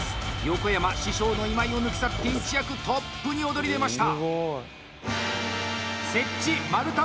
横山、師匠の今井を抜き去って一躍トップに躍り出ました。